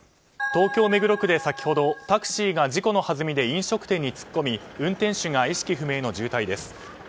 東京・目黒区で先ほどタクシーが事故のはずみで飲食店に突っ込み運転手が意識不明の重体です。